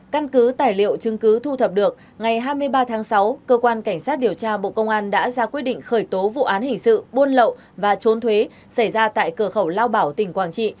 căn cứ tài liệu chứng cứ thu thập được ngày hai mươi ba tháng sáu cơ quan cảnh sát điều tra bộ công an đã ra quyết định khởi tố vụ án hình sự buôn lậu và trốn thuế xảy ra tại cửa khẩu lao bảo tỉnh quảng trị